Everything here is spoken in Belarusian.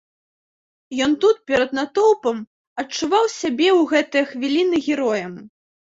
Ён тут перад натоўпам адчуваў сябе ў гэтыя хвіліны героем.